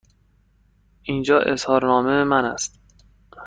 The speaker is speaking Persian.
اینجا اظهارنامه من است.